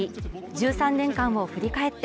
１３年間を振り返って